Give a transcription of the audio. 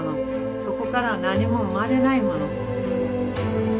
そこからは何も生まれないもの。